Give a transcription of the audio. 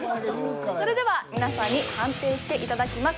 それでは皆さんに判定していただきます。